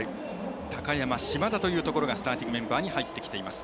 高山、島田というところがスターティングメンバーに入ってきています。